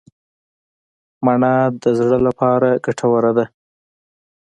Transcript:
مڼه د زړه لپاره ګټوره ده.